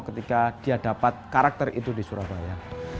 ketika dia dapat karakter itu di surabaya